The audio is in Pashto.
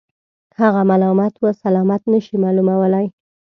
هغه ملامت و سلامت نه شي معلومولای.